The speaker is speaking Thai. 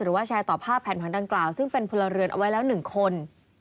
หรือว่าแชร์ต่อภาพแผนผังดังกล่าวซึ่งเป็นพลเรือนเอาไว้แล้วหนึ่งคน